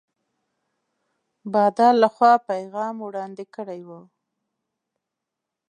بادار له خوا پیغام وړاندي کړی وو.